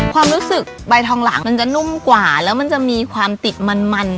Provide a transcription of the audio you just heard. ความรู้สึกใบทองหลังมันจะนุ่มกว่าแล้วมันจะมีความติดมันมัน